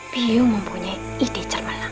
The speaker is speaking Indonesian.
biung mempunyai ide cermelang